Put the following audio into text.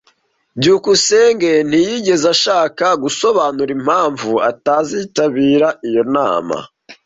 byukusenge ntiyigeze ashaka gusobanura impamvu atazitabira iyo nama.